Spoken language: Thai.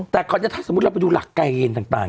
แต่ถ้าสมมุติเราไปดูหลักกายเกณฑ์ต่าง